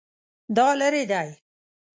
دا لیرې دی؟